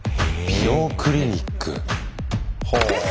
「美容クリニック」はあっ。